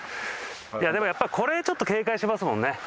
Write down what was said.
いやでもやっぱこれちょっと警戒しますもんね。